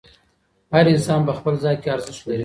هر انسان په خپل ځای کې ارزښت لري.